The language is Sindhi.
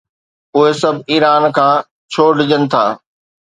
اهي سڀ ايران کان ڇو ڊڄن ٿا؟